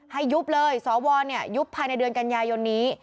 ยุบเลยสวยุบภายในเดือนกันยายนนี้